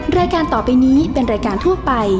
แม่บ้านฟัจจันบาน